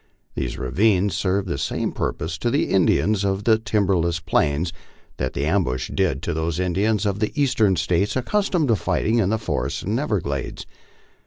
These ravines serve the same purpose to the Indians of the tiinberlesd plains that the ambush did to those Indians of the Eastern States accustomed to fighting in the forests and everglades.